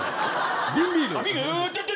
瓶ビール。